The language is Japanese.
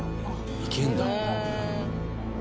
行けるんだ。